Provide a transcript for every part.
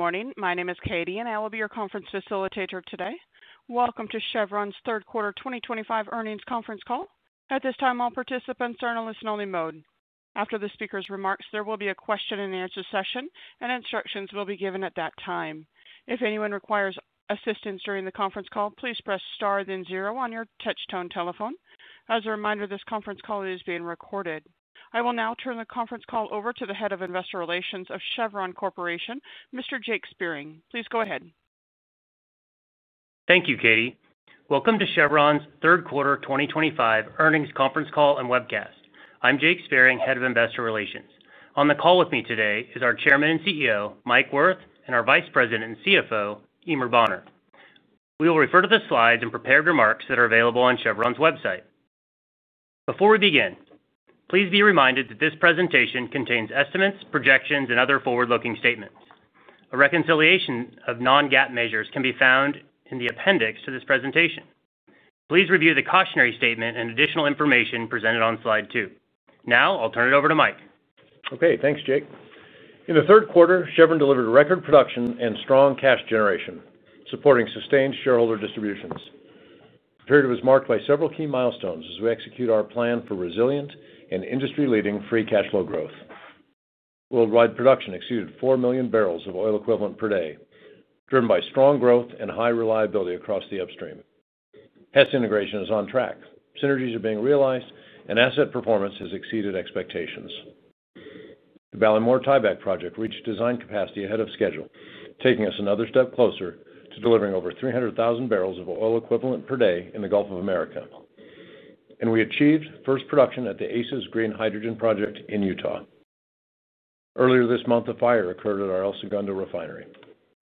Good morning. My name is Katie, and I will be your conference facilitator today. Welcome to Chevron Corporation's third quarter 2025 earnings conference call. At this time, all participants are in a listen-only mode. After the speaker's remarks, there will be a question-and-answer session, and instructions will be given at that time. If anyone requires assistance during the conference call, please press star then zero on your touch-tone telephone. As a reminder, this conference call is being recorded. I will now turn the conference call over to the Head of Investor Relations of Chevron Corporation, Mr. Jake Spiering. Please go ahead. Thank you, Katie. Welcome to Chevron's third quarter 2025 earnings conference call and webcast. I'm Jake Spiering, Head of Investor Relations. On the call with me today is our Chairman and CEO, Mike Wirth, and our Vice President and CFO, Eimear Bonner. We will refer to the slides and prepared remarks that are available on Chevron's website. Before we begin, please be reminded that this presentation contains estimates, projections, and other forward-looking statements. A reconciliation of non-GAAP measures can be found in the appendix to this presentation. Please review the cautionary statement and additional information presented on slide two. Now, I'll turn it over to Mike. Okay. Thanks, Jake. In the third quarter, Chevron delivered record production and strong cash generation, supporting sustained shareholder distributions. The period was marked by several key milestones as we execute our plan for resilient and industry-leading free cash flow growth. Worldwide production exceeded 4 million barrels of oil equivalent per day, driven by strong growth and high reliability across the upstream. PDC Energy integration is on track. Synergies are being realized, and asset performance has exceeded expectations. The Ballymore project reached design capacity ahead of schedule, taking us another step closer to delivering over 300,000 barrels of oil equivalent per day in the Gulf of Mexico. We achieved first production at the ACES Green Hydrogen project in Utah. Earlier this month, a fire occurred at our El Segundo refinery.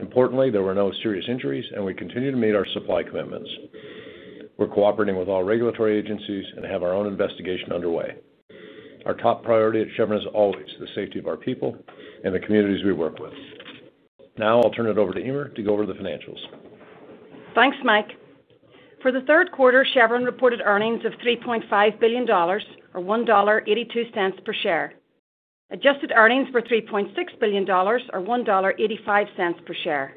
Importantly, there were no serious injuries, and we continue to meet our supply commitments. We're cooperating with all regulatory agencies and have our own investigation underway. Our top priority at Chevron is always the safety of our people and the communities we work with. Now, I'll turn it over to Eimear to go over the financials. Thanks, Mike. For the third quarter, Chevron reported earnings of $3.5 billion, or $1.82 per share. Adjusted earnings were $3.6 billion, or $1.85 per share.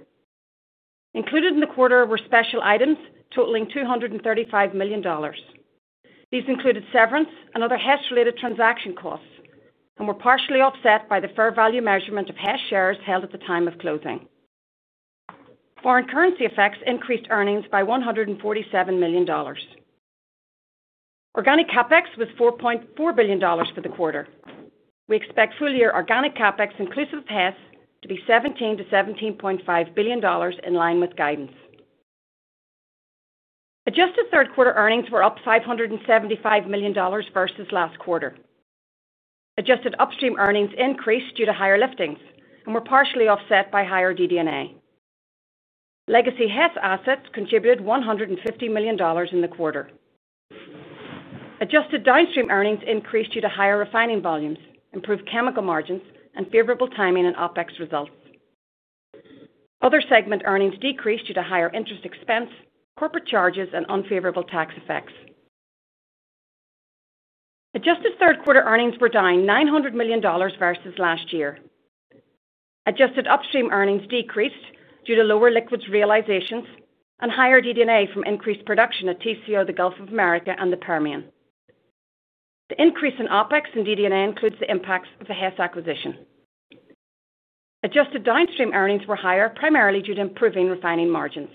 Included in the quarter were special items totaling $235 million. These included severance and other HES-related transaction costs and were partially offset by the fair value measurement of HES shares held at the time of closing. Foreign currency effects increased earnings by $147 million. Organic CapEx was $4.4 billion for the quarter. We expect full-year organic CapEx, inclusive of HES, to be $17 to $17.5 billion, in line with guidance. Adjusted third-quarter earnings were up $575 million versus last quarter. Adjusted upstream earnings increased due to higher liftings and were partially offset by higher DD&A. Legacy HES assets contributed $150 million in the quarter. Adjusted downstream earnings increased due to higher refining volumes, improved chemical margins, and favorable timing and OpEx results. Other segment earnings decreased due to higher interest expense, corporate charges, and unfavorable tax effects. Adjusted third-quarter earnings were down $900 million versus last year. Adjusted upstream earnings decreased due to lower liquids realizations and higher DD&A from increased production at TCO, the Gulf of Mexico, and the Permian. The increase in OpEx and DD&A includes the impacts of the HES acquisition. Adjusted downstream earnings were higher primarily due to improving refining margins.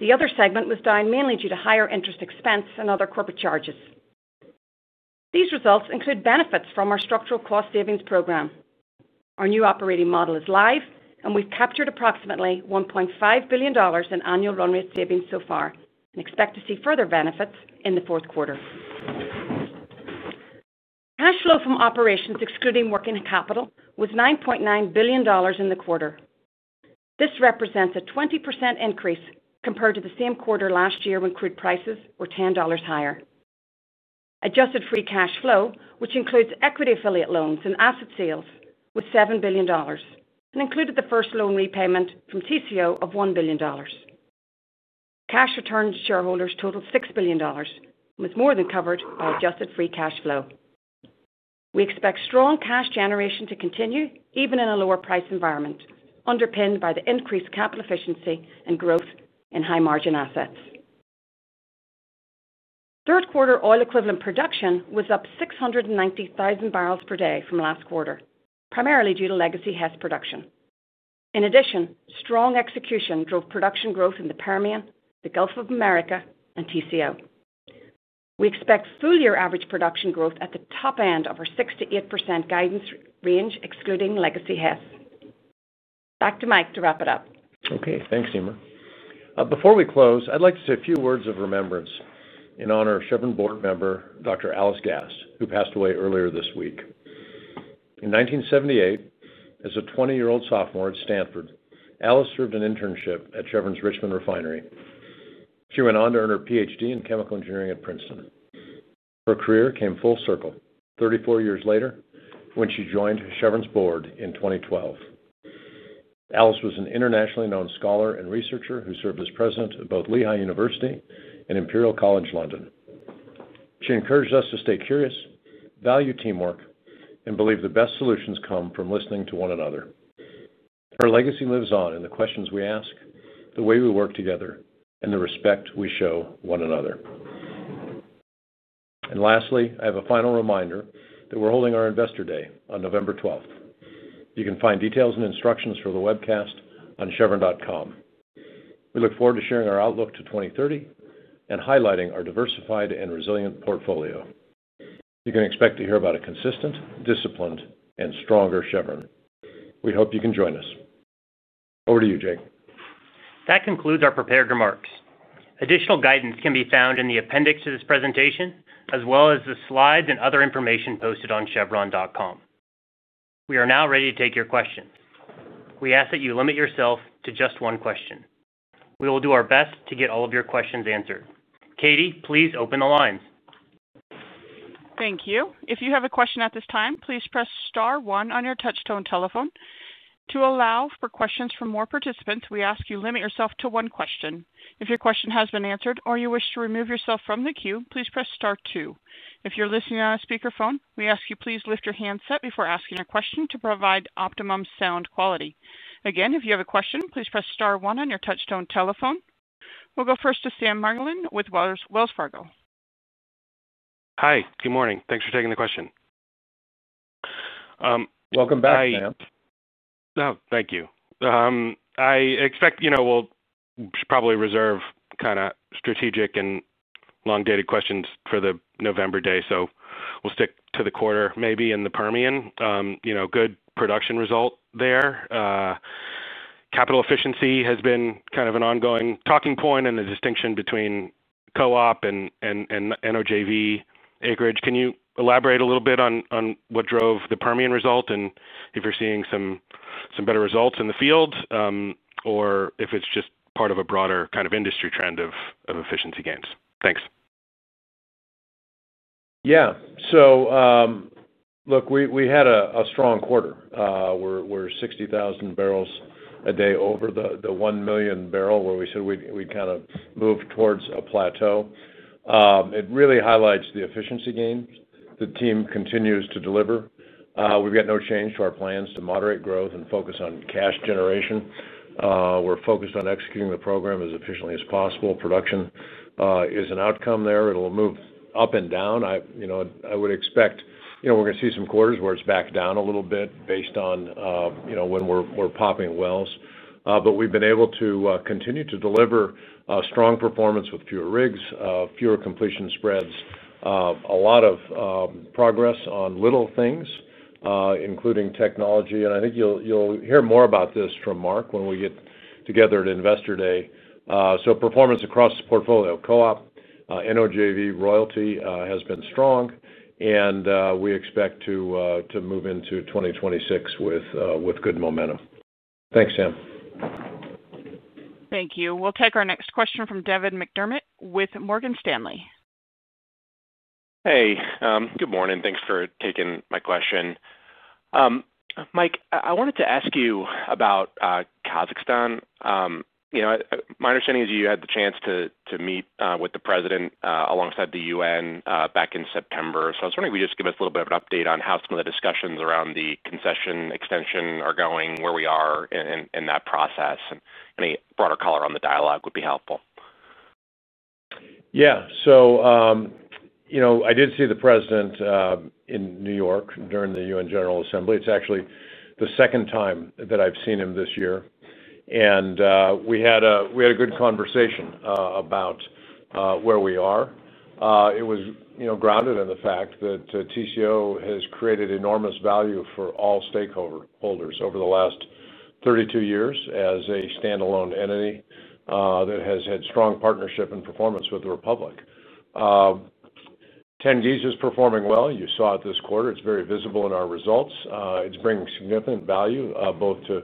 The other segment was down mainly due to higher interest expense and other corporate charges. These results include benefits from our structural cost savings program. Our new operating model is live, and we've captured approximately $1.5 billion in annual run-rate savings so far and expect to see further benefits in the fourth quarter. Cash flow from operations, excluding working capital, was $9.9 billion in the quarter. This represents a 20% increase compared to the same quarter last year when crude prices were $10 higher. Adjusted free cash flow, which includes equity affiliate loans and asset sales, was $7 billion and included the first loan repayment from TCO of $1 billion. Cash returned to shareholders totaled $6 billion and was more than covered by adjusted free cash flow. We expect strong cash generation to continue even in a lower-priced environment, underpinned by the increased capital efficiency and growth in high-margin assets. Third-quarter oil equivalent production was up 690,000 barrels per day from last quarter, primarily due to legacy HES production. In addition, strong execution drove production growth in the Permian, the Gulf of Mexico, and TCO. We expect full-year average production growth at the top end of our 6% to 8% guidance range, excluding legacy HES. Back to Mike to wrap it up. Okay. Thanks, Eimear. Before we close, I'd like to say a few words of remembrance in honor of Chevron Board member, Dr. Alice Gast, who passed away earlier this week. In 1978, as a 20-year-old sophomore at Stanford, Alice served an internship at Chevron's Richmond Refinery. She went on to earn her PhD in chemical engineering at Princeton. Her career came full circle 34 years later when she joined Chevron's Board in 2012. Alice was an internationally known scholar and researcher who served as President of both Lehigh University and Imperial College London. She encouraged us to stay curious, value teamwork, and believe the best solutions come from listening to one another. Her legacy lives on in the questions we ask, the way we work together, and the respect we show one another. Lastly, I have a final reminder that we're holding our Investor Day on November 12. You can find details and instructions for the webcast on chevron.com. We look forward to sharing our outlook to 2030 and highlighting our diversified and resilient portfolio. You can expect to hear about a consistent, disciplined, and stronger Chevron. We hope you can join us. Over to you, Jake. That concludes our prepared remarks. Additional guidance can be found in the appendix to this presentation, as well as the slides and other information posted on chevron.com. We are now ready to take your questions. We ask that you limit yourself to just one question. We will do our best to get all of your questions answered. Katie, please open the lines. Thank you. If you have a question at this time, please press star one on your touch-tone telephone. To allow for questions from more participants, we ask you to limit yourself to one question. If your question has been answered or you wish to remove yourself from the queue, please press star two. If you're listening on a speakerphone, we ask you to please lift your handset before asking a question to provide optimum sound quality. Again, if you have a question, please press star one on your touch-tone telephone. We'll go first to Sam Marlin with Wells Fargo. Hi. Good morning. Thanks for taking the question. Welcome back, Sam. Oh, thank you. I expect we'll probably reserve kind of strategic and long-dated questions for the November day, so we'll stick to the quarter maybe and the Permian. Good production result there. Capital efficiency has been kind of an ongoing talking point and a distinction between co-op and NOJV acreage. Can you elaborate a little bit on what drove the Permian result and if you're seeing some better results in the field, or if it's just part of a broader kind of industry trend of efficiency gains? Thanks. Yeah. Look, we had a strong quarter. We're 60,000 barrels a day over the 1 million barrel where we said we'd kind of move towards a plateau. It really highlights the efficiency gains. The team continues to deliver. We've got no change to our plans to moderate growth and focus on cash generation. We're focused on executing the program as efficiently as possible. Production is an outcome there. It'll move up and down. I would expect we're going to see some quarters where it's backed down a little bit based on when we're popping wells. We've been able to continue to deliver strong performance with fewer rigs, fewer completion spreads, a lot of progress on little things, including technology. I think you'll hear more about this from Mark when we get together at investor day. Performance across the portfolio, co-op, NOJV, royalty has been strong, and we expect to move into 2026 with good momentum. Thanks, Sam. Thank you. We'll take our next question from Devin McDermott with Morgan Stanley. Hey. Good morning. Thanks for taking my question. Mike, I wanted to ask you about Kazakhstan. My understanding is you had the chance to meet with the president alongside the UN back in September. I was wondering if you could just give us a little bit of an update on how some of the discussions around the concession extension are going, where we are in that process, and any broader color on the dialogue would be helpful. Yeah. I did see the President in New York during the UN General Assembly. It's actually the second time that I've seen him this year. We had a good conversation about where we are. It was grounded in the fact that TCO has created enormous value for all stakeholders over the last 32 years as a standalone entity that has had strong partnership and performance with the Republic. TCO is performing well. You saw it this quarter. It's very visible in our results. It's bringing significant value both to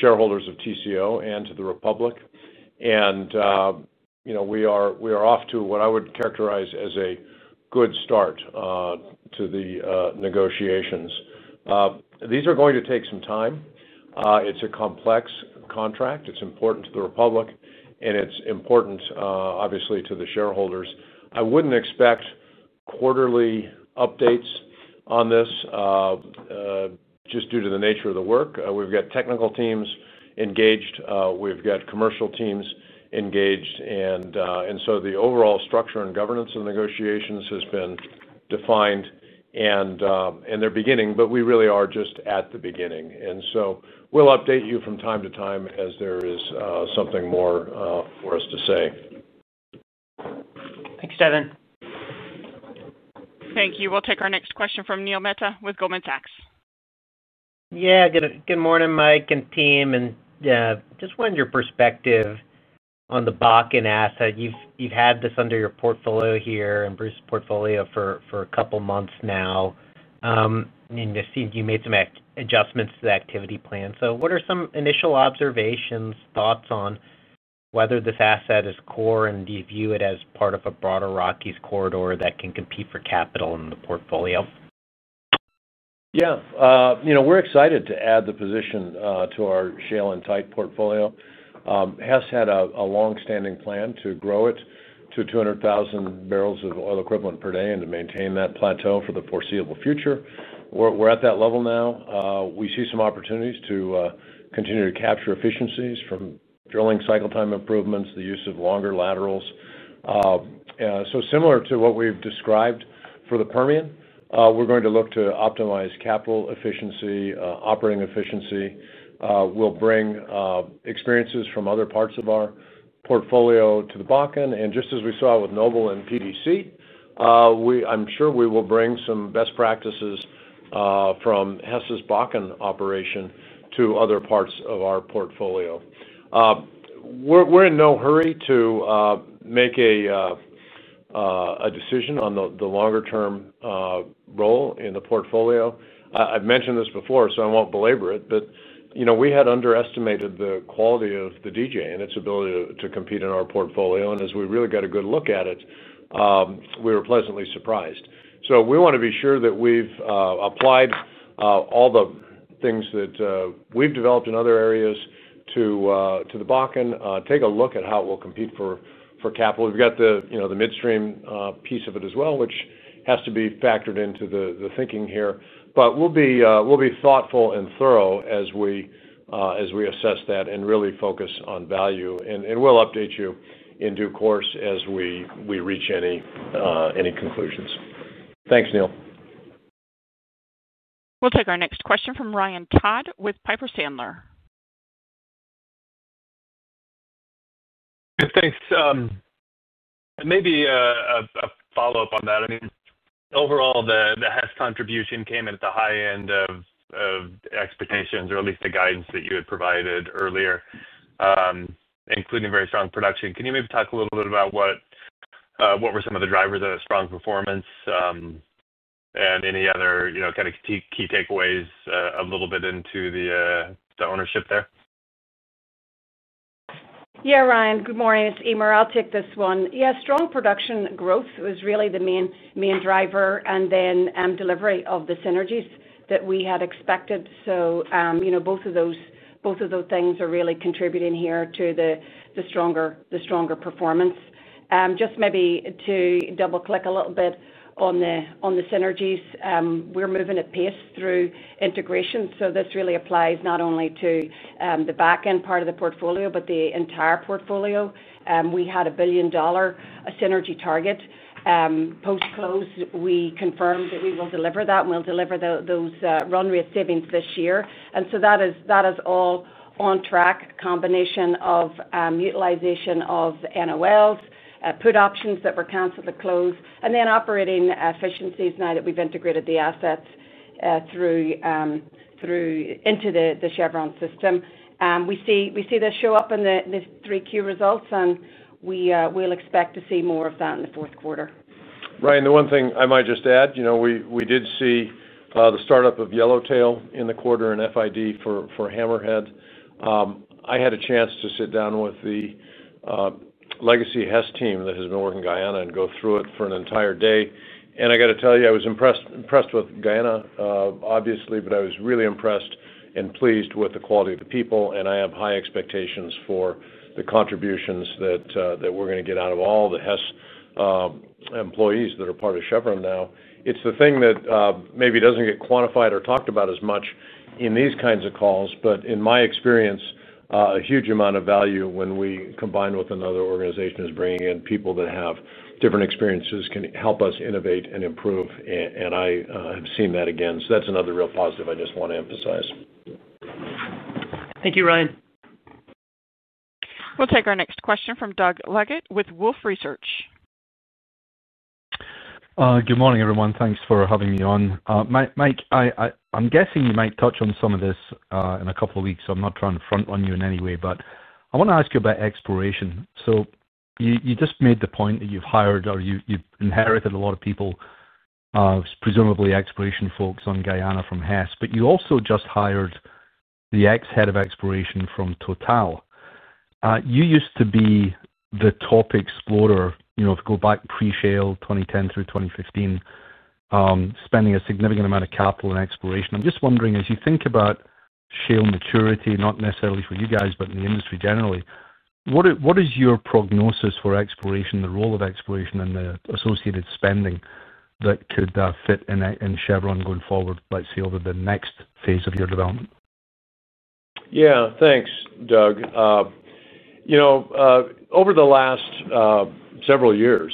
shareholders of TCO and to the Republic. We are off to what I would characterize as a good start to the negotiations. These are going to take some time. It's a complex contract. It's important to the Republic, and it's important, obviously, to the shareholders. I wouldn't expect quarterly updates on this just due to the nature of the work. We've got technical teams engaged. We've got commercial teams engaged. The overall structure and governance of the negotiations has been defined, and they're beginning, but we really are just at the beginning. We'll update you from time to time as there is something more for us to say. Thanks, Devin. Thank you. We'll take our next question from Neil Mehta with Goldman Sachs. Good morning, Mike and team. I just wanted your perspective on the Bakken asset. You've had this under your portfolio here and Bruce's portfolio for a couple of months now. You made some adjustments to the activity plan. What are some initial observations, thoughts on whether this asset is core, and do you view it as part of a broader Rockies corridor that can compete for capital in the portfolio? Yeah. We're excited to add the position to our shale and tight portfolio. Hess had a long-standing plan to grow it to 200,000 barrels of oil equivalent per day and to maintain that plateau for the foreseeable future. We're at that level now. We see some opportunities to continue to capture efficiencies from drilling cycle time improvements, the use of longer laterals. Similar to what we've described for the Permian, we're going to look to optimize capital efficiency, operating efficiency. We'll bring experiences from other parts of our portfolio to the Bakken. Just as we saw with Noble and PDC, I'm sure we will bring some best practices from Hess's Bakken operation to other parts of our portfolio. We're in no hurry to make a decision on the longer-term role in the portfolio. I've mentioned this before, so I won't belabor it, but we had underestimated the quality of the DJ and its ability to compete in our portfolio. As we really got a good look at it, we were pleasantly surprised. We want to be sure that we've applied all the things that we've developed in other areas to the Bakken, take a look at how it will compete for capital. We've got the midstream piece of it as well, which has to be factored into the thinking here. We'll be thoughtful and thorough as we assess that and really focus on value. We'll update you in due course as we reach any conclusions. Thanks, Neil. We'll take our next question from Ryan Todd with Piper Sandler. Thanks. Maybe a follow-up on that. I mean, overall, the Hess contribution came at the high end of expectations, or at least the guidance that you had provided earlier, including very strong production. Can you maybe talk a little bit about what were some of the drivers of strong performance, and any other kind of key takeaways a little bit into the ownership there? Yeah, Ryan, good morning. It's Eimear. I'll take this one. Yeah, strong production growth was really the main driver, and then delivery of the synergies that we had expected. Both of those things are really contributing here to the stronger performance. Just maybe to double-click a little bit on the synergies, we're moving at pace through integration. This really applies not only to the Bakken part of the portfolio but the entire portfolio. We had a $1 billion synergy target. Post-close, we confirmed that we will deliver that, and we'll deliver those run rate savings this year. That is all on track, a combination of utilization of NOLs, put options that were canceled at close, and then operating efficiencies now that we've integrated the assets into the Chevron system. We see this show up in the 3Q results, and we'll expect to see more of that in the fourth quarter. Ryan, the one thing I might just add, we did see the startup of Yellowtail in the quarter and FID for Hammerhead. I had a chance to sit down with the legacy Hess team that has been working with Guyana and go through it for an entire day. I got to tell you, I was impressed with Guyana, obviously, but I was really impressed and pleased with the quality of the people. I have high expectations for the contributions that we're going to get out of all the Hess employees that are part of Chevron now. It's the thing that maybe doesn't get quantified or talked about as much in these kinds of calls, but in my experience, a huge amount of value when we combine with another organization is bringing in people that have different experiences who can help us innovate and improve. I have seen that again. That's another real positive I just want to emphasize. Thank you, Ryan. We'll take our next question from Doug Leggate with Wolfe Research. Good morning, everyone. Thanks for having me on. Mike, I'm guessing you might touch on some of this in a couple of weeks. I'm not trying to front-run you in any way, but I want to ask you about exploration. You just made the point that you've hired or you've inherited a lot of people, presumably exploration folks on Guyana from Hess, but you also just hired the ex-head of exploration from TotalEnergies. You used to be the top explorer, if you go back pre-shale, 2010 through 2015, spending a significant amount of capital in exploration. I'm just wondering, as you think about shale maturity, not necessarily for you guys, but in the industry generally, what is your prognosis for exploration, the role of exploration, and the associated spending that could fit in Chevron going forward, let's say, over the next phase of your development? Yeah. Thanks, Doug. Over the last several years,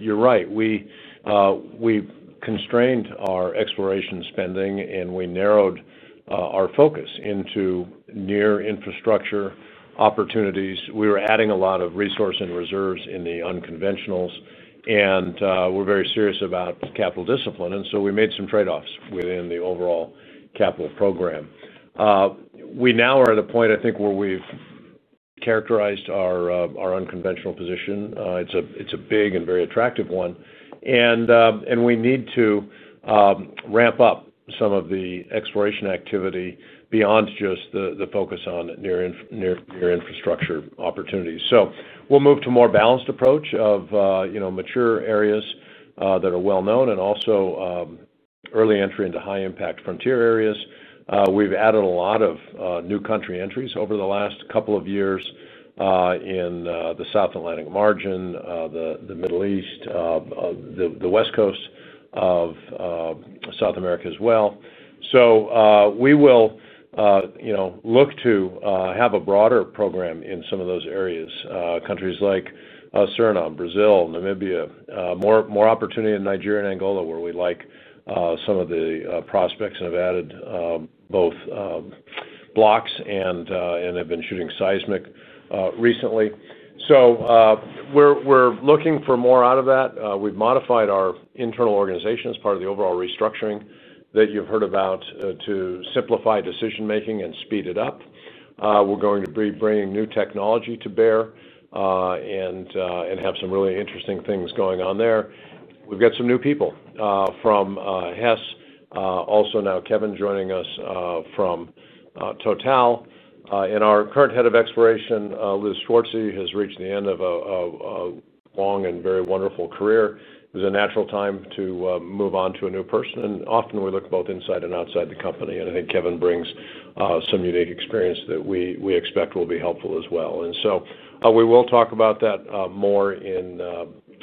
you're right. We constrained our exploration spending, and we narrowed our focus into near-infrastructure opportunities. We were adding a lot of resource and reserves in the unconventionals, and we're very serious about capital discipline. We made some trade-offs within the overall capital program. We now are at a point, I think, where we've characterized our unconventional position. It's a big and very attractive one, and we need to ramp up some of the exploration activity beyond just the focus on near-infrastructure opportunities. We'll move to a more balanced approach of mature areas that are well-known and also early entry into high-impact frontier areas. We've added a lot of new country entries over the last couple of years in the South Atlantic margin, the Middle East, the West Coast of South America as well. We will look to have a broader program in some of those areas, countries like Suriname, Brazil, Namibia, more opportunity in Nigeria and Angola, where we like some of the prospects and have added both blocks and have been shooting seismic recently. We're looking for more out of that. We've modified our internal organization as part of the overall restructuring that you've heard about to simplify decision-making and speed it up. We're going to be bringing new technology to bear and have some really interesting things going on there. We've got some new people from Hess. Also now, Kevin joining us from TotalEnergies. Our current Head of Exploration, Liz Schwartze, has reached the end of a long and very wonderful career. It was a natural time to move on to a new person. Often we look both inside and outside the company, and I think Kevin brings some unique experience that we expect will be helpful as well. We will talk about that more in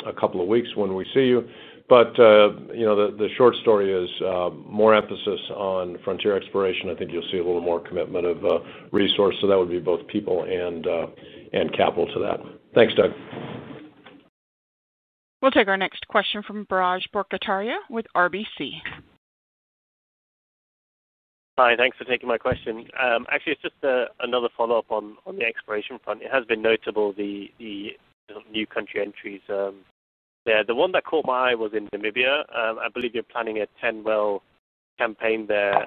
a couple of weeks when we see you. The short story is more emphasis on frontier exploration. I think you'll see a little more commitment of resource, so that would be both people and capital to that. Thanks, Doug. We'll take our next question from Biraj Borkhataria with RBC. Hi. Thanks for taking my question. Actually, it's just another follow-up on the exploration front. It has been notable, the new country entries. Yeah, the one that caught my eye was in Namibia. I believe you're planning a 10-well campaign there.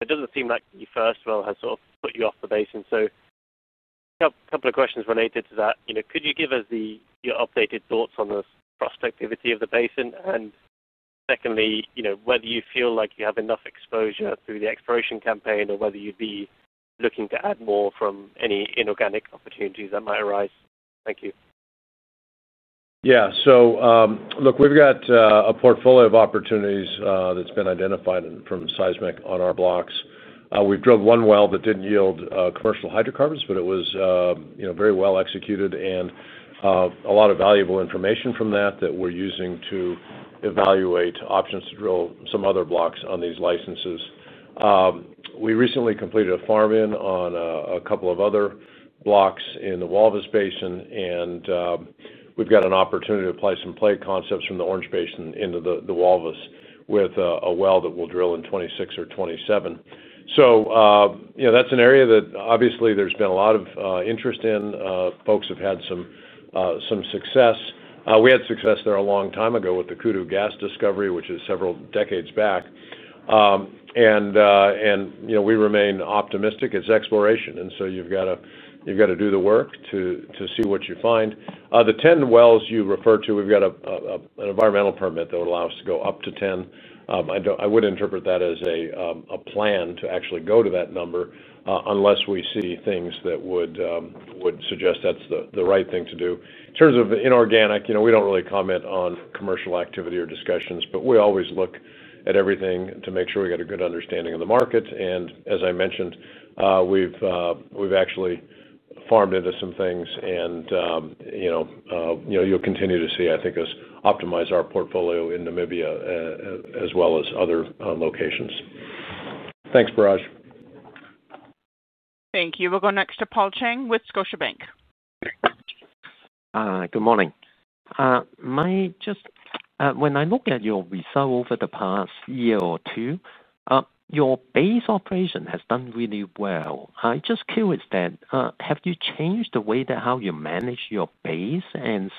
It doesn't seem like the first well has sort of put you off the basin. A couple of questions related to that. Could you give us your updated thoughts on the prospectivity of the basin? Secondly, whether you feel like you have enough exposure through the exploration campaign or whether you'd be looking to add more from any inorganic opportunities that might arise? Thank you. Yeah. Look, we've got a portfolio of opportunities that's been identified from seismic on our blocks. We've drilled one well that didn't yield commercial hydrocarbons, but it was very well executed. A lot of valuable information from that that we're using to evaluate options to drill some other blocks on these licenses. We recently completed a farm-in on a couple of other blocks in the Walvis Basin. We've got an opportunity to apply some plate concepts from the Orange Basin into the Walvis with a well that we'll drill in 2026 or 2027. That's an area that obviously there's been a lot of interest in. Folks have had some success. We had success there a long time ago with the Kudu Gas Discovery, which is several decades back. We remain optimistic. It's exploration, and you've got to do the work to see what you find. The 10 wells you refer to, we've got an environmental permit that would allow us to go up to 10. I would not interpret that as a plan to actually go to that number unless we see things that would suggest that's the right thing to do. In terms of inorganic, we don't really comment on commercial activity or discussions, but we always look at everything to make sure we've got a good understanding of the market. As I mentioned, we've actually farmed into some things. You'll continue to see, I think, us optimize our portfolio in Namibia as well as other locations. Thanks, Biraj. Thank you. We'll go next to Paul Chang with Scotiabank. Good morning. When I look at your result over the past year or two, your base operation has done really well. I'm just curious, have you changed the way that you manage your base? Has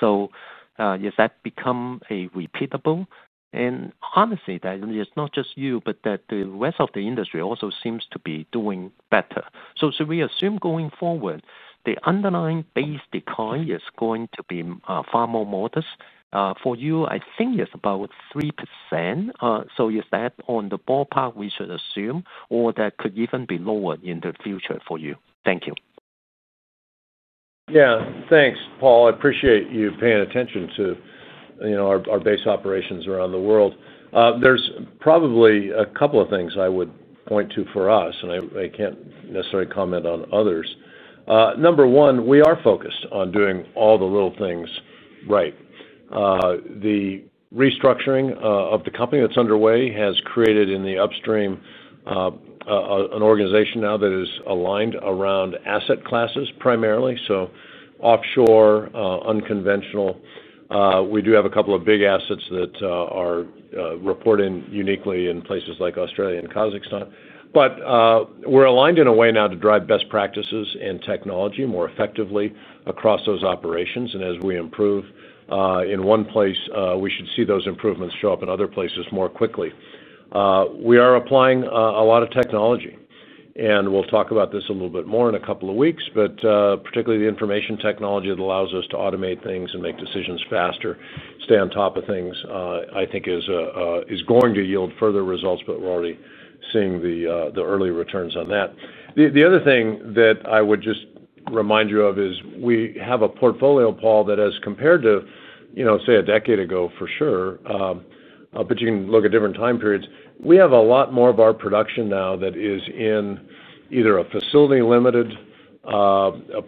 that become repeatable? Honestly, it's not just you, but the rest of the industry also seems to be doing better. Should we assume going forward the underlying base decline is going to be far more modest? For you, I think it's about 3%. Is that the ballpark we should assume, or could that even be lower in the future for you? Thank you. Yeah. Thanks, Paul. I appreciate you paying attention to our base operations around the world. There's probably a couple of things I would point to for us, and I can't necessarily comment on others. Number one, we are focused on doing all the little things right. The restructuring of the company that's underway has created in the upstream an organization now that is aligned around asset classes primarily, so offshore, unconventional. We do have a couple of big assets that are reporting uniquely in places like Australia and Kazakhstan. We are aligned in a way now to drive best practices and technology more effectively across those operations. As we improve in one place, we should see those improvements show up in other places more quickly. We are applying a lot of technology. We'll talk about this a little bit more in a couple of weeks, but particularly the information technology that allows us to automate things and make decisions faster, stay on top of things, I think is going to yield further results, but we're already seeing the early returns on that. The other thing that I would just remind you of is we have a portfolio, Paul, that has compared to, say, a decade ago for sure. You can look at different time periods. We have a lot more of our production now that is in either a facility-limited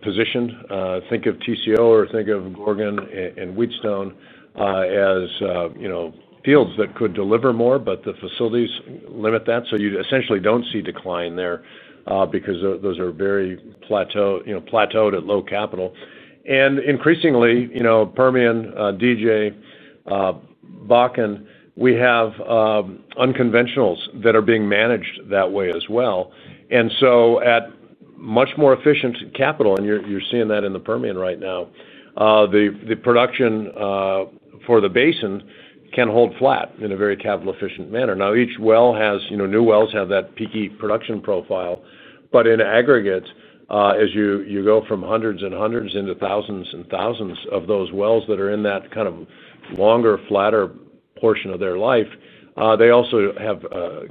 position. Think of TCO or think of Gorgon and Wheatstone as fields that could deliver more, but the facilities limit that. You essentially don't see decline there because those are very plateaued at low capital. Increasingly, Permian, DJ, Bakken, we have unconventionals that are being managed that way as well. At much more efficient capital, you're seeing that in the Permian right now. The production for the basin can hold flat in a very capital-efficient manner. Each well has new wells have that peaky production profile. In aggregate, as you go from hundreds and hundreds into thousands and thousands of those wells that are in that kind of longer, flatter portion of their life, they also have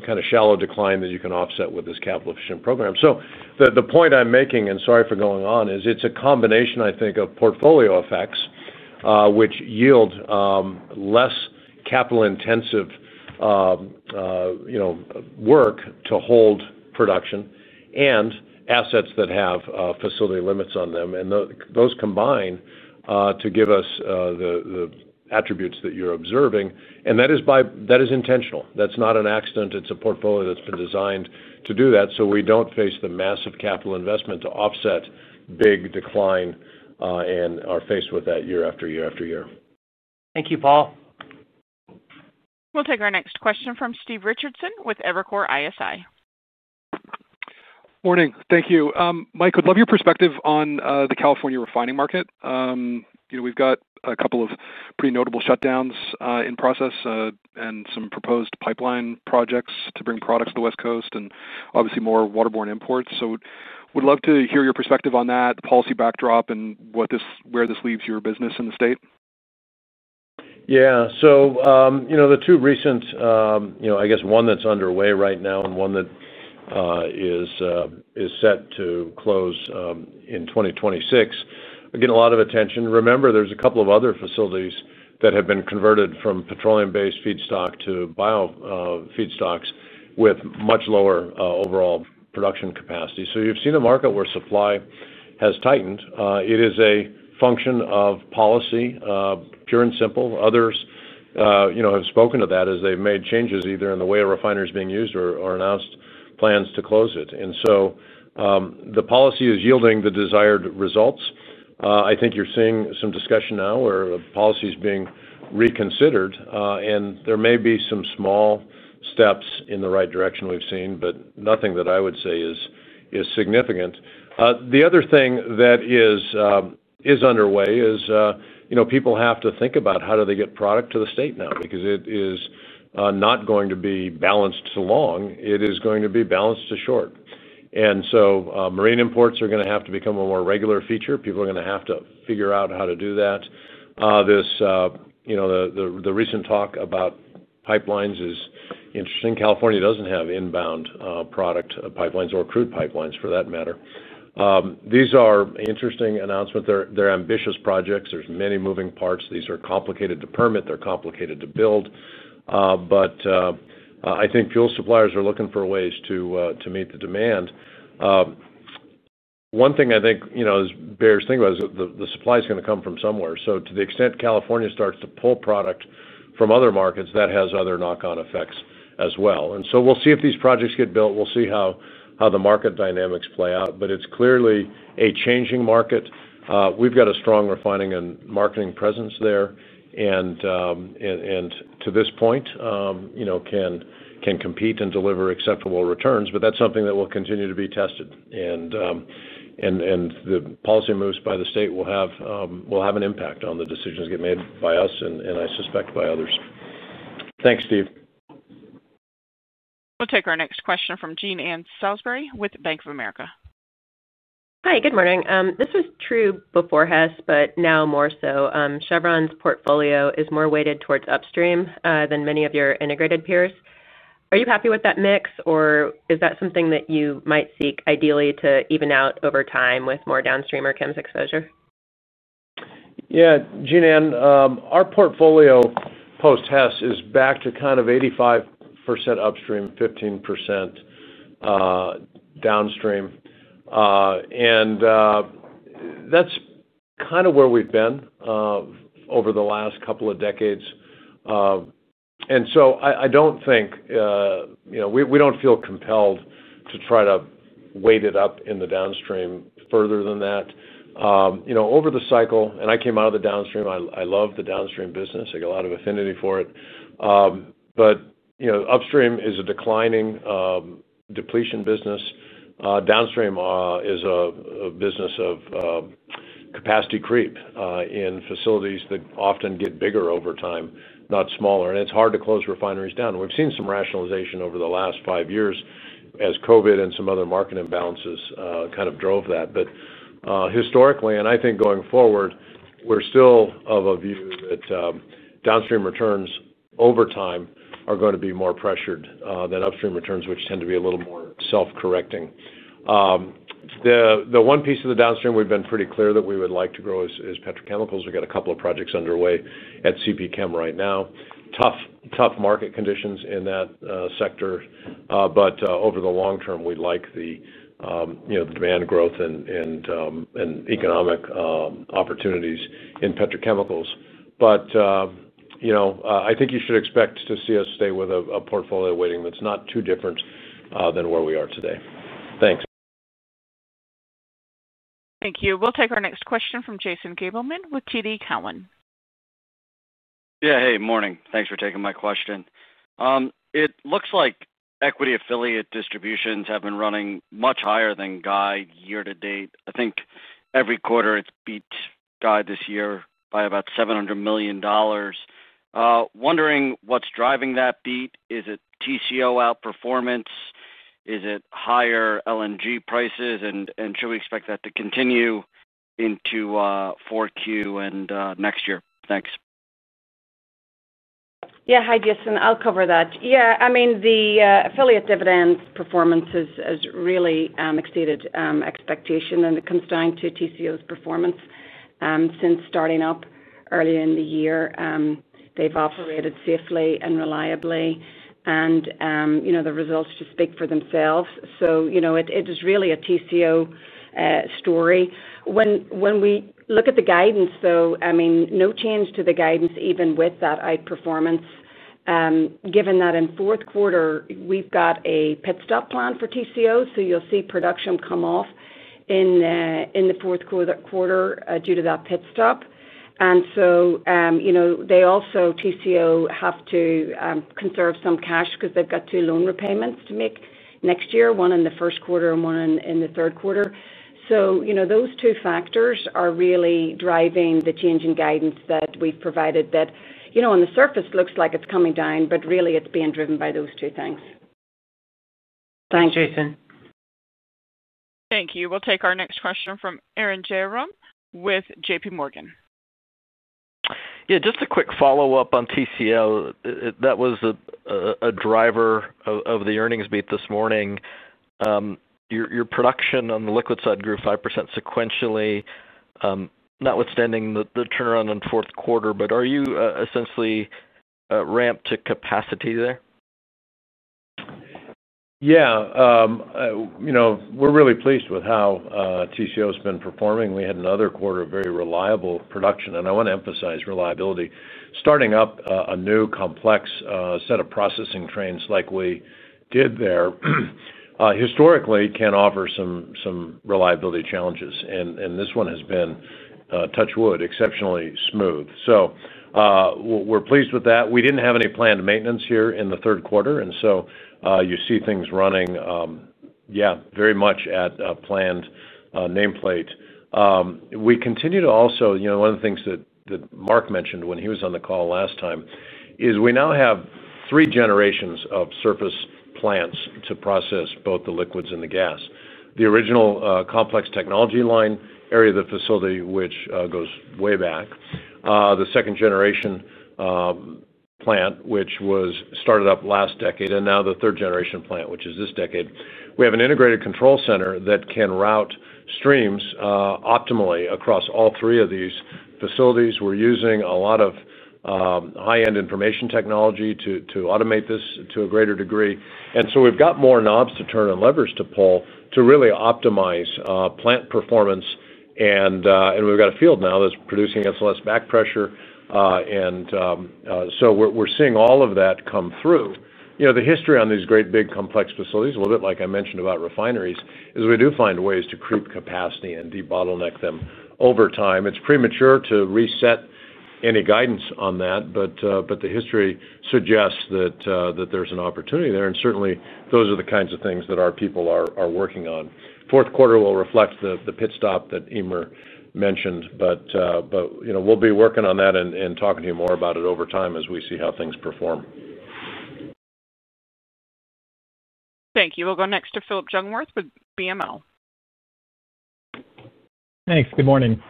kind of shallow decline that you can offset with this capital-efficient program. The point I'm making, and sorry for going on, is it's a combination, I think, of portfolio effects, which yield less capital-intensive work to hold production and assets that have facility limits on them. Those combine to give us the attributes that you're observing. That is intentional. That's not an accident. It's a portfolio that's been designed to do that. We don't face the massive capital investment to offset big decline and are faced with that year after year after year. Thank you, Paul. We'll take our next question from Stephen Richardson with Evercore ISI. Morning. Thank you. Mike, I'd love your perspective on the California refining market. We've got a couple of pretty notable shutdowns in process and some proposed pipeline projects to bring products to the West Coast and obviously more waterborne imports. We'd love to hear your perspective on that, the policy backdrop, and where this leaves your business in the state. Yeah. The two recent, I guess, one that's underway right now and one that is set to close in 2026, get a lot of attention. Remember, there's a couple of other facilities that have been converted from petroleum-based feedstock to biofeedstocks with much lower overall production capacity. You've seen a market where supply has tightened. It is a function of policy, pure and simple. Others have spoken to that as they've made changes either in the way of refineries being used or announced plans to close it. The policy is yielding the desired results. I think you're seeing some discussion now where the policy is being reconsidered. There may be some small steps in the right direction we've seen, but nothing that I would say is significant. The other thing that is underway is people have to think about how do they get product to the state now because it is not going to be balanced to long. It is going to be balanced to short. Marine imports are going to have to become a more regular feature. People are going to have to figure out how to do that. The recent talk about pipelines is interesting. California doesn't have inbound product pipelines or crude pipelines for that matter. These are interesting announcements. They're ambitious projects. There's many moving parts. These are complicated to permit. They're complicated to build. I think fuel suppliers are looking for ways to meet the demand. One thing I think is bearish thing about is the supply is going to come from somewhere. To the extent California starts to pull product from other markets, that has other knock-on effects as well. We'll see if these projects get built. We'll see how the market dynamics play out. It's clearly a changing market. We've got a strong refining and marketing presence there. To this point, can compete and deliver acceptable returns. That's something that will continue to be tested. The policy moves by the state will have an impact on the decisions that get made by us and I suspect by others. Thanks, Steve. We'll take our next question from Jean Ann Salisbury with Bank of America. Hi. Good morning. This was true before Hess, but now more so. Chevron's portfolio is more weighted towards upstream than many of your integrated peers. Are you happy with that mix, or is that something that you might seek ideally to even out over time with more downstream or CCUS exposure? Yeah. Jean Ann, our portfolio post Hess is back to kind of 85% upstream, 15% downstream. That's kind of where we've been over the last couple of decades. I don't think we feel compelled to try to weight it up in the downstream further than that over the cycle, and I came out of the downstream. I love the downstream business. I get a lot of affinity for it. Upstream is a declining depletion business. Downstream is a business of capacity creep in facilities that often get bigger over time, not smaller. It's hard to close refineries down. We've seen some rationalization over the last five years as COVID and some other market imbalances kind of drove that. Historically, and I think going forward, we're still of a view that downstream returns over time are going to be more pressured than upstream returns, which tend to be a little more self-correcting. The one piece of the downstream we've been pretty clear that we would like to grow is petrochemicals. We've got a couple of projects underway at CP Chem right now. Tough market conditions in that sector, but over the long term, we'd like the demand growth and economic opportunities in petrochemicals. I think you should expect to see us stay with a portfolio weighting that's not too different than where we are today. Thanks. Thank you. We'll take our next question from Jason Gabelman with TD Cowen. Yeah. Hey, morning. Thanks for taking my question. It looks like equity affiliate distributions have been running much higher than guide year to date. I think every quarter it's beat guide this year by about $700 million. Wondering what's driving that beat. Is it TCO outperformance? Is it higher LNG prices? Should we expect that to continue into 4Q and next year? Thanks. Yeah. Hi, Jason. I'll cover that. The affiliate dividend performance has really exceeded expectation when it comes down to TCO's performance. Since starting up earlier in the year, they've operated safely and reliably, and the results just speak for themselves. It is really a TCO story. When we look at the guidance, though, no change to the guidance even with that outperformance. Given that in the fourth quarter, we've got a pit stop planned for TCO, you'll see production come off in the fourth quarter due to that pit stop. TCO also have to conserve some cash because they've got two loan repayments to make next year, one in the first quarter and one in the third quarter. Those two factors are really driving the change in guidance that we've provided that on the surface looks like it's coming down, but really it's being driven by those two things. Thanks, Jason. Thank you. We'll take our next question from Arun Jayaram with J.P. Morgan. Yeah. Just a quick follow-up on TCO. That was a driver of the earnings beat this morning. Your production on the liquid side grew 5% sequentially, notwithstanding the turnaround in fourth quarter. Are you essentially ramped to capacity there? Yeah. We're really pleased with how TCO has been performing. We had another quarter of very reliable production. I want to emphasize reliability. Starting up a new complex set of processing trains like we did there historically can offer some reliability challenges. This one has been, touch wood, exceptionally smooth. We're pleased with that. We didn't have any planned maintenance here in the third quarter, and you see things running very much at a planned nameplate. We continue to also, one of the things that Mark mentioned when he was on the call last time, is we now have three generations of surface plants to process both the liquids and the gas. The original complex technology line area of the facility, which goes way back, the second generation plant, which was started up last decade, and now the third generation plant, which is this decade. We have an integrated control center that can route streams optimally across all three of these facilities. We're using a lot of high-end information technology to automate this to a greater degree, and we've got more knobs to turn and levers to pull to really optimize plant performance. We've got a field now that's producing SLS back pressure, and we're seeing all of that come through. The history on these great big complex facilities, a little bit like I mentioned about refineries, is we do find ways to creep capacity and debottleneck them over time. It's premature to reset any guidance on that, but the history suggests that there's an opportunity there. Certainly, those are the kinds of things that our people are working on. Fourth quarter will reflect the pit stop that Eimear mentioned. We'll be working on that and talking to you more about it over time as we see how things perform. Thank you. We'll go next to Phillip Jungwirth with BMO. Thanks. Good morning.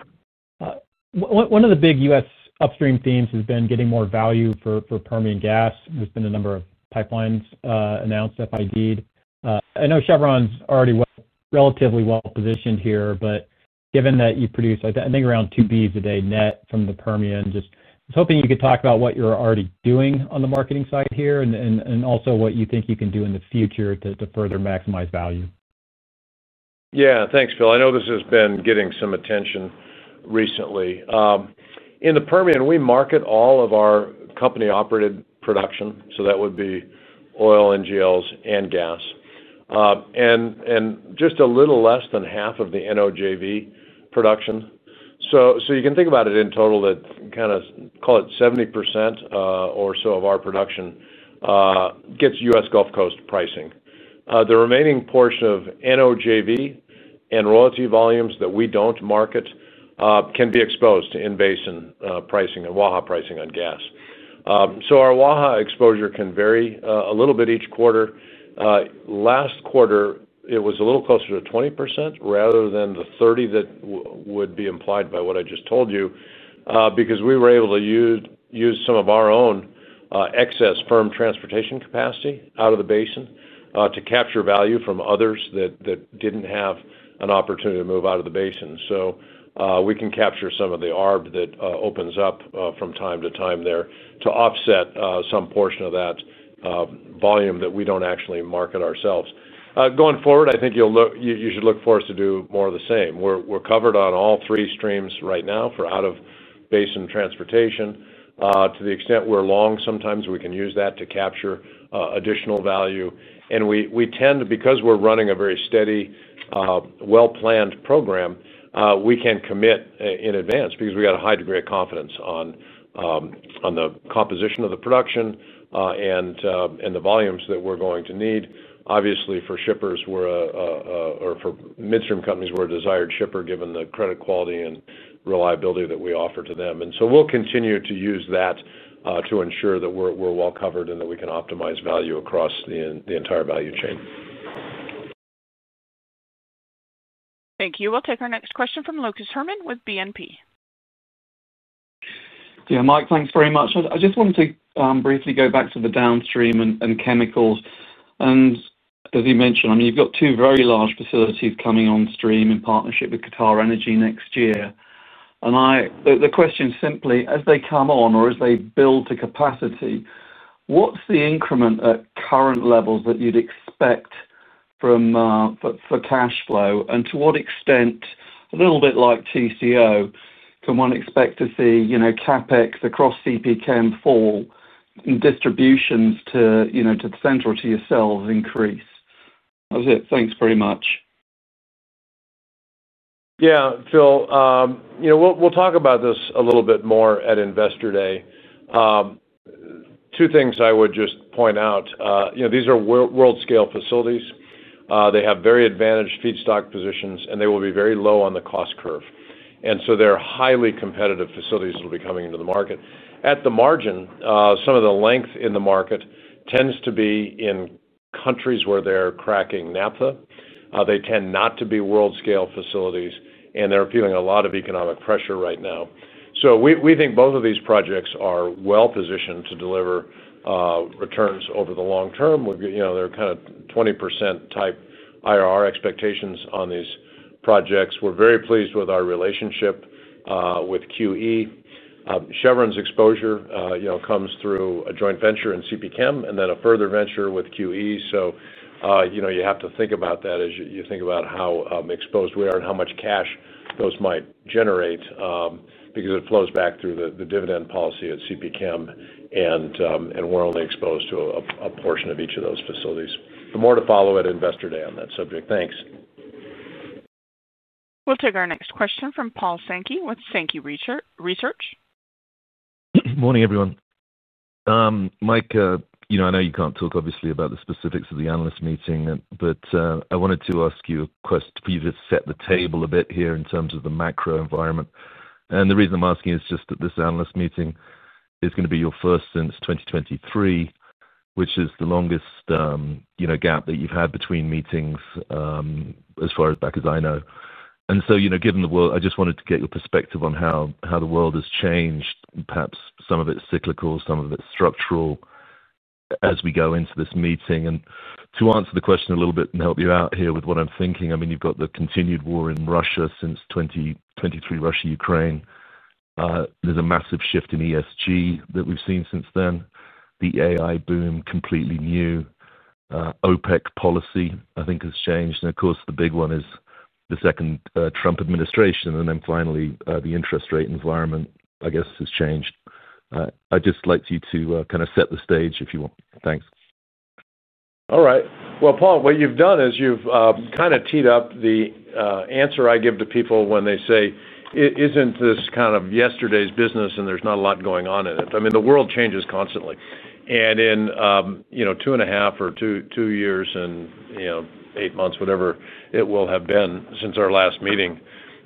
One of the big U.S. upstream themes has been getting more value for Permian gas. There's been a number of pipelines announced, FID'd. I know Chevron's already relatively well-positioned here, but given that you produce, I think, around 2 bcf a day net from the Permian, just hoping you could talk about what you're already doing on the marketing side here and also what you think you can do in the future to further maximize value. Yeah. Thanks, Phil. I know this has been getting some attention recently. In the Permian, we market all of our company-operated production, so that would be oil and NGLs and gas. And just a little less than half of the NOJV production. You can think about it in total that, kind of, call it 70% or so of our production gets U.S. Gulf Coast pricing. The remaining portion of NOJV and royalty volumes that we don't market can be exposed to in-basin pricing and WAHA pricing on gas. Our WAHA exposure can vary a little bit each quarter. Last quarter, it was a little closer to 20% rather than the 30% that would be implied by what I just told you because we were able to use some of our own excess firm transportation capacity out of the basin to capture value from others that didn't have an opportunity to move out of the basin. We can capture some of the ARB that opens up from time to time there to offset some portion of that volume that we don't actually market ourselves. Going forward, I think you should look for us to do more of the same. We're covered on all three streams right now for out-of-basin transportation. To the extent we're long, sometimes we can use that to capture additional value. We tend, because we're running a very steady, well-planned program, we can commit in advance because we got a high degree of confidence on the composition of the production and the volumes that we're going to need. Obviously, for shippers or for midstream companies, we're a desired shipper given the credit quality and reliability that we offer to them. We'll continue to use that to ensure that we're well covered and that we can optimize value across the entire value chain. Thank you. We'll take our next question from Lucas Herrmann with BNP. Yeah. Mike, thanks very much. I just wanted to briefly go back to the downstream and chemicals. As you mentioned, you've got two very large facilities coming on stream in partnership with QatarEnergy next year. The question simply, as they come on or as they build to capacity, what's the increment at current levels that you'd expect from, for cash flow? To what extent, a little bit like TCO, can one expect to see CapEx across CP Chem fall, and distributions to the central to yourselves increase? That's it. Thanks very much. Yeah. Phil. We'll talk about this a little bit more at Investor Day. Two things I would just point out. These are world-scale facilities. They have very advantaged feedstock positions, and they will be very low on the cost curve. They're highly competitive facilities that will be coming into the market. At the margin, some of the length in the market tends to be in countries where they're cracking naphtha. They tend not to be world-scale facilities, and they're feeling a lot of economic pressure right now. We think both of these projects are well-positioned to deliver returns over the long term. They're kind of 20% type IRR expectations on these projects. We're very pleased with our relationship with QatarEnergy. Chevron's exposure comes through a joint venture in CP Chem and then a further venture with QatarEnergy. You have to think about that as you think about how exposed we are and how much cash those might generate because it flows back through the dividend policy at CP Chem and we're only exposed to a portion of each of those facilities. More to follow at Investor Day on that subject. Thanks. We'll take our next question from Paul Sankey with Sankey Research. Morning, everyone. Mike, I know you can't talk, obviously, about the specifics of the analyst meeting, but I wanted to ask you a question for you to set the table a bit here in terms of the macro environment. The reason I'm asking is just that this analyst meeting is going to be your first since 2023, which is the longest gap that you've had between meetings as far back as I know. Given the world, I just wanted to get your perspective on how the world has changed, perhaps some of it cyclical, some of it structural, as we go into this meeting. To answer the question a little bit and help you out here with what I'm thinking, I mean, you've got the continued war in Russia since 2023, Russia-Ukraine. There's a massive shift in ESG that we've seen since then. The AI boom, completely new. OPEC policy, I think, has changed. Of course, the big one is the second Trump administration. Finally, the interest rate environment, I guess, has changed. I'd just like you to kind of set the stage if you want. Thanks. All right. Paul, what you've done is you've kind of teed up the answer I give to people when they say, "Isn't this kind of yesterday's business and there's not a lot going on in it?" I mean, the world changes constantly. In two and a half or two years and eight months, whatever it will have been since our last meeting,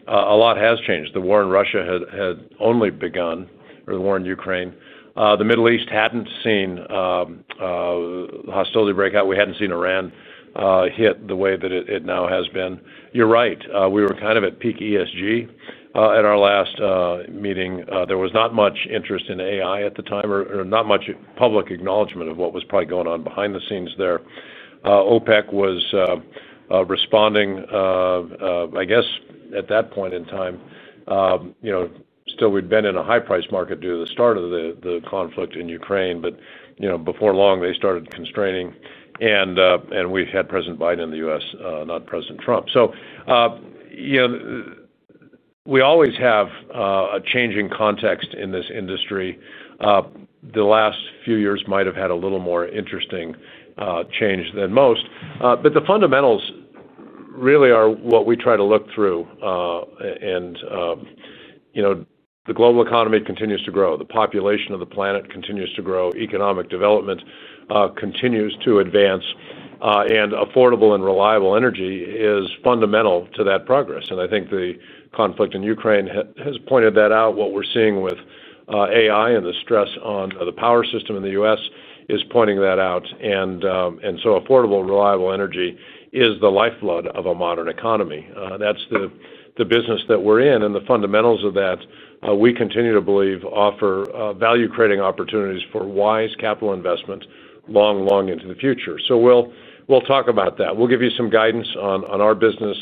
a lot has changed. The war in Ukraine had only begun. The Middle East hadn't seen hostility breakout. We hadn't seen Iran hit the way that it now has been. You're right. We were kind of at peak ESG at our last meeting. There was not much interest in AI at the time, or not much public acknowledgment of what was probably going on behind the scenes there. OPEC was responding, I guess, at that point in time. Still, we'd been in a high-priced market due to the start of the conflict in Ukraine, but before long, they started constraining. We had President Biden in the U.S., not President Trump. We always have a changing context in this industry. The last few years might have had a little more interesting change than most. The fundamentals really are what we try to look through. The global economy continues to grow. The population of the planet continues to grow. Economic development continues to advance. Affordable and reliable energy is fundamental to that progress. I think the conflict in Ukraine has pointed that out. What we're seeing with AI and the stress on the power system in the U.S. is pointing that out. Affordable, reliable energy is the lifeblood of a modern economy. That's the business that we're in. The fundamentals of that, we continue to believe, offer value-creating opportunities for wise capital investment long, long into the future. We'll talk about that. We'll give you some guidance on our business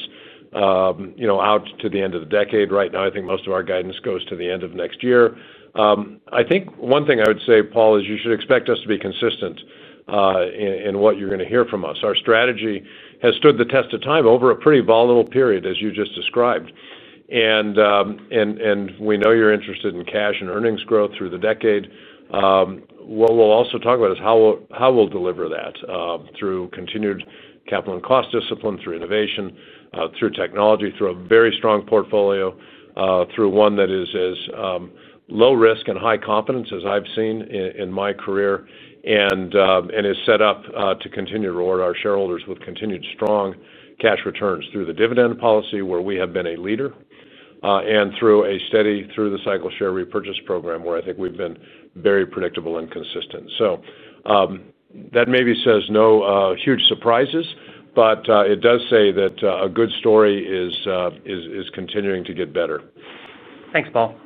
out to the end of the decade. Right now, I think most of our guidance goes to the end of next year. One thing I would say, Paul, is you should expect us to be consistent in what you're going to hear from us. Our strategy has stood the test of time over a pretty volatile period, as you just described. We know you're interested in cash and earnings growth through the decade. What we'll also talk about is how we'll deliver that through continued capital and cost discipline, through innovation, through technology, through a very strong portfolio, through one that is as. Low-risk and high-confidence as I've seen in my career, and is set up to continue to reward our shareholders with continued strong cash returns through the dividend policy where we have been a leader, and through a steady through-the-cycle share repurchase program where I think we've been very predictable and consistent. That maybe says no huge surprises, but it does say that a good story is continuing to get better. Thanks, Paul.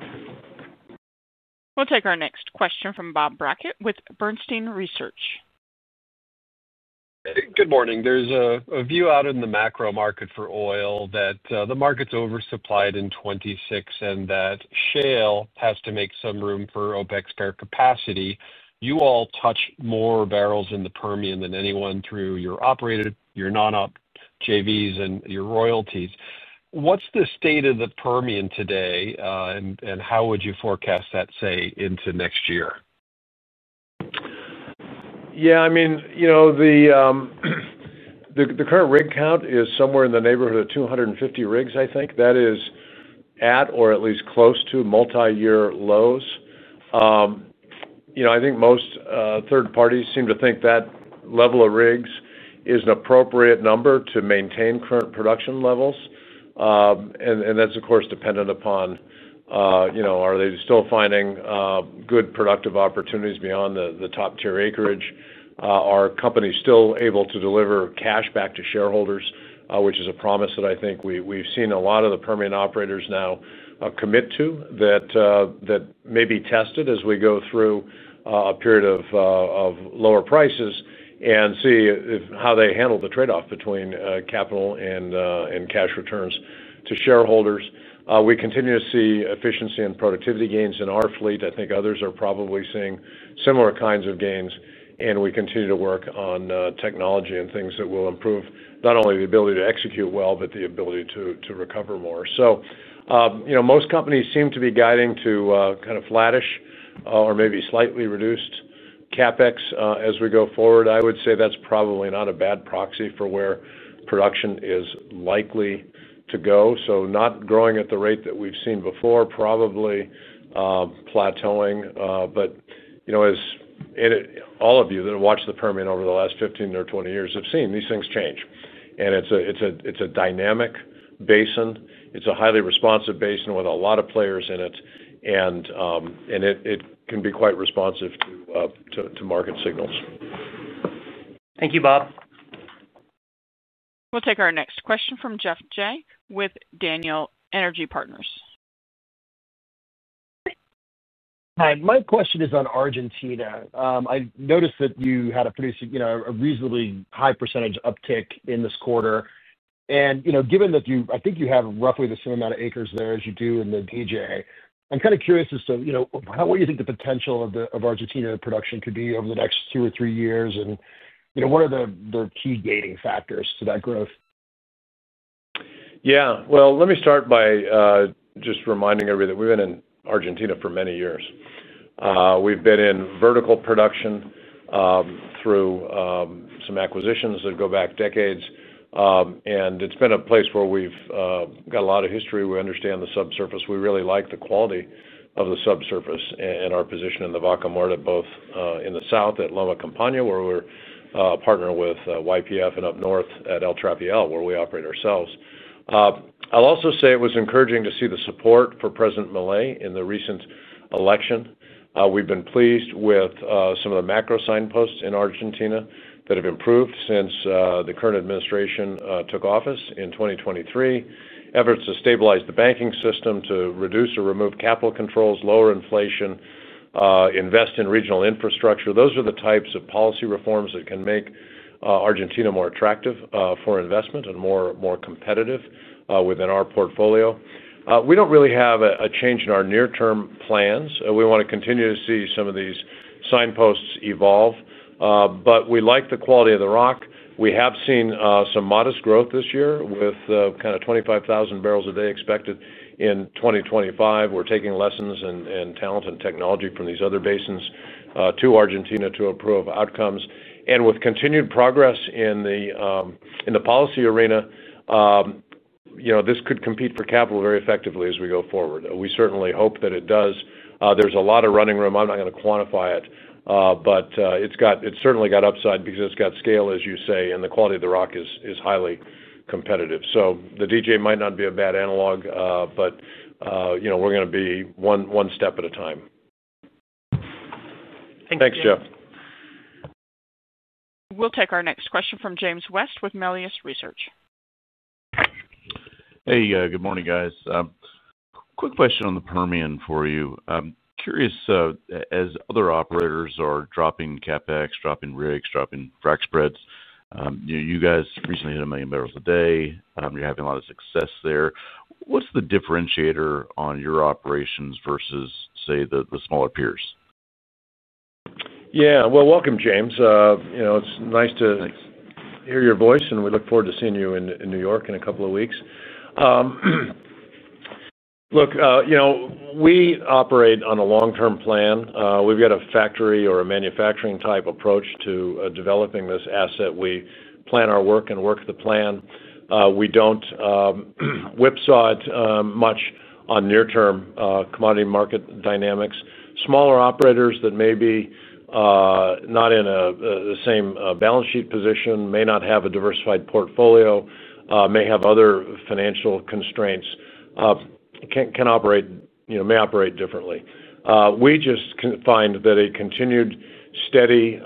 We'll take our next question from Bob Brackett with Bernstein Research. Good morning. There's a view out in the macro market for oil that the market's oversupplied in 2026 and that shale has to make some room for OPEC's spare capacity. You all touch more barrels in the Permian than anyone through your operator, your non-OPEC JVs, and your royalties. What's the state of the Permian today, and how would you forecast that, say, into next year? Yeah. The current rig count is somewhere in the neighborhood of 250 rigs, I think. That is at or at least close to multi-year lows. I think most third parties seem to think that level of rigs is an appropriate number to maintain current production levels. That is, of course, dependent upon whether they are still finding good productive opportunities beyond the top-tier acreage. Are companies still able to deliver cash back to shareholders, which is a promise that I think we've seen a lot of the Permian operators now commit to? That may be tested as we go through a period of lower prices and see how they handle the trade-off between capital and cash returns to shareholders. We continue to see efficiency and productivity gains in our fleet. I think others are probably seeing similar kinds of gains. We continue to work on technology and things that will improve not only the ability to execute well, but the ability to recover more. Most companies seem to be guiding to kind of flattish or maybe slightly reduced CapEx as we go forward. I would say that's probably not a bad proxy for where production is likely to go, not growing at the rate that we've seen before, probably plateauing. As all of you that have watched the Permian over the last 15 or 20 years have seen, these things change. It is a dynamic basin. It's a highly responsive basin with a lot of players in it. It can be quite responsive to market signals. Thank you, Bob. We'll take our next question from Geoff Jay with Daniel Energy Partners. Hi. My question is on Argentina. I noticed that you had a pretty reasonably high percentage uptick in this quarter. Given that I think you have roughly the same amount of acres there as you do in the DJ, I'm kind of curious as to what you think the potential of Argentina production could be over the next two or three years and what are the key gating factors to that growth? Let me start by just reminding everybody that we've been in Argentina for many years. We've been in vertical production through some acquisitions that go back decades, and it's been a place where we've got a lot of history. We understand the subsurface. We really like the quality of the subsurface and our position in the Vaca Muerta, both in the south at Loma Campaña, where we're partnered with YPF, and up north at El Trapial, where we operate ourselves. I'll also say it was encouraging to see the support for President Milei in the recent election. We've been pleased with some of the macro signposts in Argentina that have improved since the current administration took office in 2023. Efforts to stabilize the banking system, to reduce or remove capital controls, lower inflation, invest in regional infrastructure. Those are the types of policy reforms that can make Argentina more attractive for investment and more competitive within our portfolio. We don't really have a change in our near-term plans. We want to continue to see some of these signposts evolve. We like the quality of the rock. We have seen some modest growth this year with kind of 25,000 barrels a day expected in 2025. We're taking lessons and talent and technology from these other basins to Argentina to improve outcomes. With continued progress in the policy arena, this could compete for capital very effectively as we go forward. We certainly hope that it does. There's a lot of running room. I'm not going to quantify it, but it's certainly got upside because it's got scale, as you say, and the quality of the rock is highly competitive. The DJ might not be a bad analog, but we're going to be one step at a time. Thank you. Thanks, Jeff. We'll take our next question from James West with Melius Research. Hey, good morning, guys. Quick question on the Permian for you. Curious, as other operators are dropping CapEx, dropping rigs, dropping frac spreads, you guys recently hit a million barrels a day. You're having a lot of success there. What's the differentiator on your operations versus, say, the smaller peers? Yeah. Welcome, James. It's nice to hear your voice, and we look forward to seeing you in New York in a couple of weeks. Look, we operate on a long-term plan. We've got a factory or a manufacturing-type approach to developing this asset. We plan our work and work the plan. We don't whipsaw it much on near-term commodity market dynamics. Smaller operators that may be not in the same balance sheet position, may not have a diversified portfolio, may have other financial constraints, may operate differently. We just find that a continued, steady,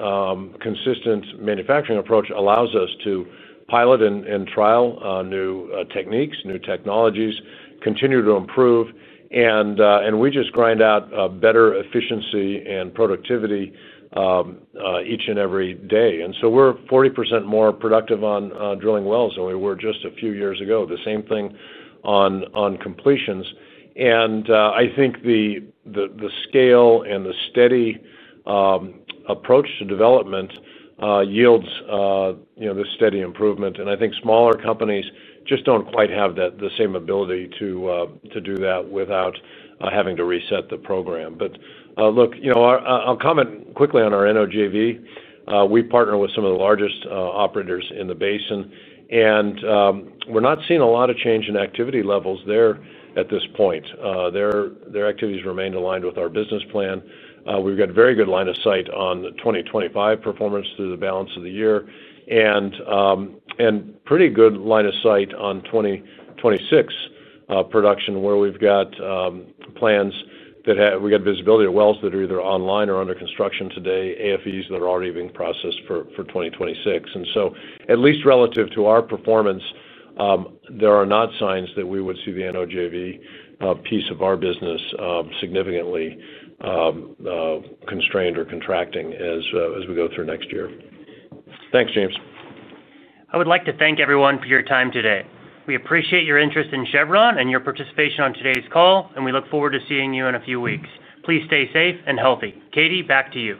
consistent manufacturing approach allows us to pilot and trial new techniques, new technologies, continue to improve, and we just grind out better efficiency and productivity each and every day. We're 40% more productive on drilling wells than we were just a few years ago. The same thing on completions. I think the scale and the steady approach to development yields this steady improvement. I think smaller companies just don't quite have the same ability to do that without having to reset the program. Look, I'll comment quickly on our NOJV. We partner with some of the largest operators in the basin, and we're not seeing a lot of change in activity levels there at this point. Their activities remain aligned with our business plan. We've got a very good line of sight on 2025 performance through the balance of the year, and pretty good line of sight on 2026 production, where we've got plans that we got visibility to wells that are either online or under construction today, AFEs that are already being processed for 2026. At least relative to our performance, there are not signs that we would see the NOJV piece of our business significantly constrained or contracting as we go through next year. Thanks, James. I would like to thank everyone for your time today. We appreciate your interest in Chevron and your participation on today's call, and we look forward to seeing you in a few weeks. Please stay safe and healthy. Katie, back to you.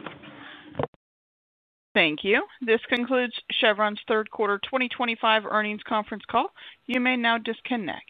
Thank you. This concludes Chevron's third quarter 2025 earnings conference call. You may now disconnect.